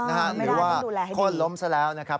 หรือว่าโค้นล้มซะแล้วนะครับ